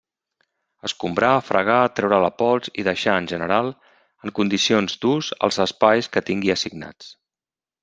Escombrar, fregar, treure la pols i deixar, en general, en condicions d'ús els espais que tingui assignats.